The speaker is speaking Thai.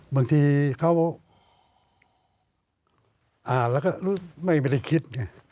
บางทีเขาอ่านแล้วก็ไม่ได้คิดไง